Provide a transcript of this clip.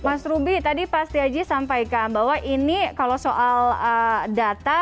oke mas rubi tadi pak senti andi sampaikan bahwa ini kalau soal data